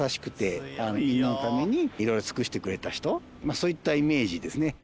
そういったイメージですね。